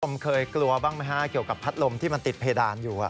ผมเคยกลัวบ้างไหมฮะเกี่ยวกับพัดลมที่มันติดเพดานอยู่